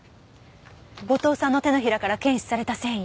後藤さんの手のひらから検出された繊維。